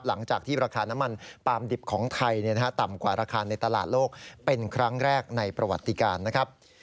หลังจากที่ราคาน้ำมันปาล์มดิบของไทยต่ำกว่าราคาในตลาดโลกเป็นครั้งแรกในประวัติการนะครับ